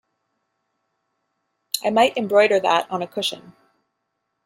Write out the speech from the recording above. I might embroider that on a cushion.